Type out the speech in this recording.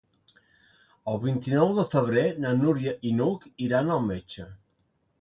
El vint-i-nou de febrer na Núria i n'Hug iran al metge.